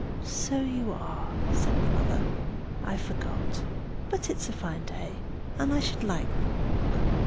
"So you are!" said the mother. "I forgot. But it is a fine day, and I should like the walk."